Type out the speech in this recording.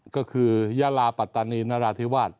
ก็คือยาลาปัตตานีนราธิวาส